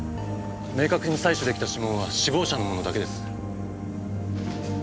明確に採取出来た指紋は死亡者のものだけです。